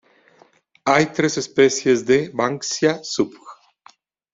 Hay tres especies de "Banksia subg.